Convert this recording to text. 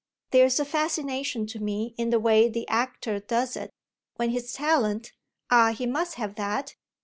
There's a fascination to me in the way the actor does it, when his talent ah he must have that!